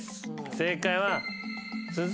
正解は。